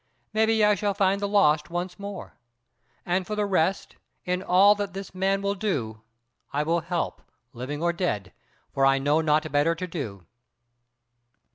Maybe I shall find the lost once more. And for the rest, in all that this man will do, I will help, living or dead, for I know naught better to do."